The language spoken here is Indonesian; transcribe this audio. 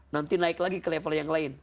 nanti naik lagi ke level yang lain